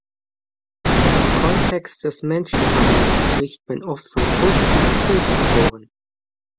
Im Kontext des Menschenhandels spricht man oft von Push- und Pullfaktoren.